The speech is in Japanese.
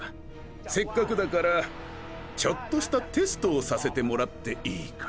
せっかくだからちょっとしたテストをさせてもらっていいかな？